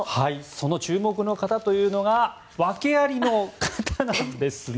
その注目の方というのが訳ありの方なんですね。